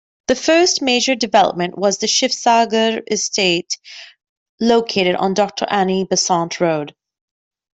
The first major development was the Shivsagar Estate located on Doctor Annie Besant Road.